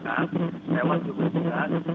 jogja dan juga